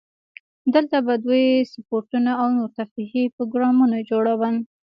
دلته به دوی سپورتونه او نور تفریحي پروګرامونه جوړول.